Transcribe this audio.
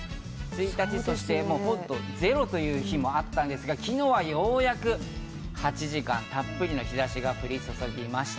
１日、そしてゼロという日もあったんですが、昨日はようやく８時間、たっぷりの日差しが降り注ぎました。